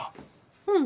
うん。